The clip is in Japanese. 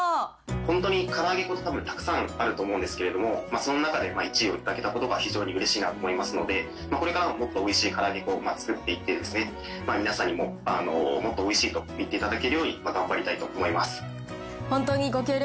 本当にから揚げ粉ってたぶん、たくさんあると思うんですけれども、その中で１位を頂けたことが非常にうれしいなと思いますので、これからももっとおいしいから揚げ粉を作っていってですね、皆さんにもっとおいしいと言っていただけるように、頑張りたいと本当にご協力